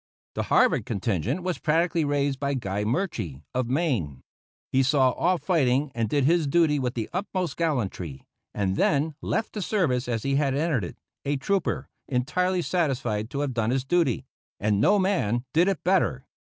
The Harvard contingent was practically raised by Guy Murchie, of Maine. He saw all the fighting and did his duty with the utmost gallantry, and then left the service as he had entered it, a trooper, entirely satisfied to have done his duty and no man did it better.